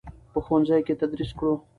په ښوونځیو کې یې تدریس کړو.